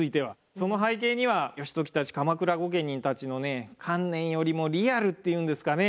その背景には義時たち鎌倉御家人たちのね観念よりもリアルっていうんですかね